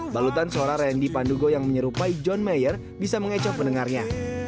balutan suara randy pandugo yang menyerupai john mayer bisa mengecoh pendengarnya